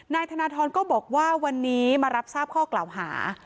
นายธนทรก็บอกว่าวันนี้มารับทราบข้อกล่าวหา